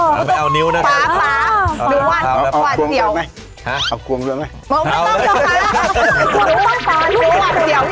เชียะนะเลยครับขอบคุณครับฟ้า